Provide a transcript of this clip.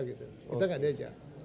kita nggak ada aja